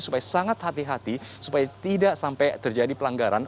supaya sangat hati hati supaya tidak sampai terjadi pelanggaran